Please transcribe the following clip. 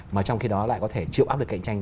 mà trong khi đó lại có thể chịu áp lực cạnh tranh